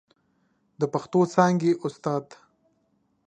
د پښتو څانګې استاد